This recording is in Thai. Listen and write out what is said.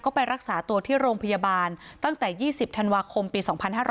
ก็ไปรักษาตัวที่โรงพยาบาลตั้งแต่๒๐ธันวาคมปี๒๕๕๙